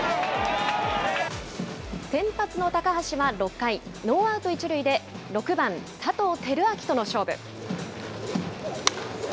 先発の高橋は６回、ノーアウト１塁で６番佐藤輝明との勝負。